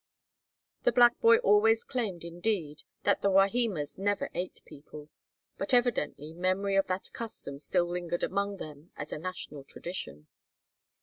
The black boy always claimed, indeed, that the Wahimas never ate people, but evidently memory of that custom still lingered among them as a national tradition.